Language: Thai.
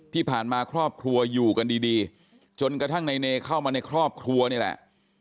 ที่ผ่านมาครอบครัวอยู่กันดีจนกระทั่งในเนเข้ามาในครอบครัวนี่แหละ